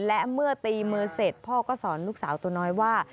และเมื่อตีมือเสร็จพ่อก็สอนลูกสาวตัวน้อยว่า